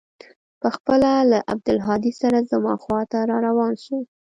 پخپله له عبدالهادي سره زما خوا ته راروان سو.